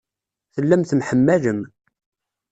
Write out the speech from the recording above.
Tellam temḥemmalem.